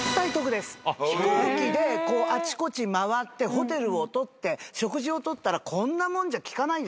飛行機であちこち回ってホテルを取って食事を取ったらこんなもんじゃ利かないですよ。